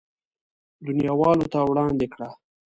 دنياوالو ته وړاندې کړه.